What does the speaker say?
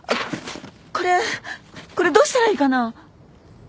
これこれどうしたらいいかな！？